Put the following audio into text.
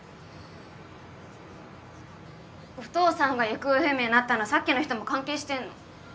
お父さんが行方不明になったのはさっきの人も関係してんの？